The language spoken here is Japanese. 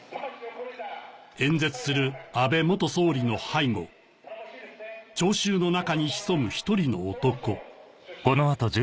演説する安倍総理の背後聴衆の中に潜む１人の男